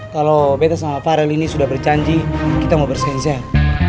kalo bete sama farel ini sudah bercanji kita mau bersenjah